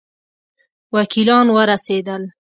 وکیلان ورسېدل.